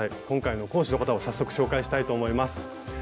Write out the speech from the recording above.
今回の講師の方を早速紹介したいと思います。